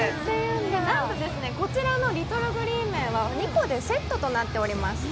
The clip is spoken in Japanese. なんとこちらのリトル・グリーン・メンは２個でセットとなっております。